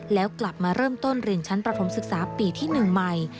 แล้วกลับมาเริ่มต้นเรียนชั้นประถมศึกษาปีที่๑ใหม่